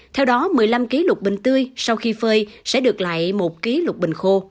theo đó một mươi năm ký lục bình tươi sau khi phơi sẽ được lại